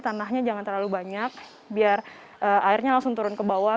tanahnya jangan terlalu banyak biar airnya langsung turun kebawah